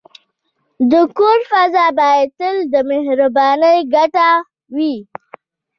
د کور فضا باید تل د مهربانۍ ډکه وي.